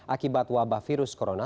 akibat wabah virus corona